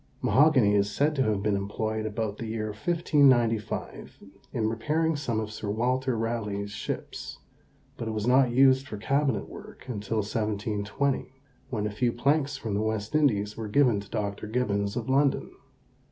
Mahogany is said to have been employed about the year 1595 in repairing some of Sir Walter Raleigh's ships, but it was not used for cabinet work until 1720, when a few planks from the West Indies were given to Dr. Gibbons of London.